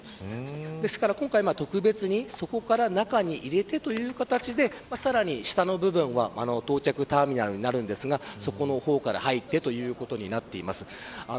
ですから今回、特別にそこから中に入れてという形でさらに下の部分は到着ターミナルになるんですがそこの方から入ってということになっています。